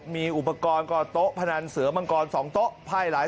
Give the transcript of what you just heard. มีอุปกรณ์ก็โต๊ะพนันเสือมังกร๒โต๊ะไพ่หลาย